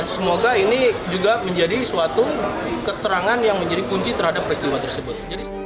semoga ini juga menjadi suatu keterangan yang menjadi kunci terhadap peristiwa tersebut